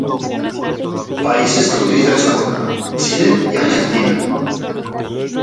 Países que utilizan esta norma: Chile y Argentina